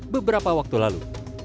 beberapa waktu lalu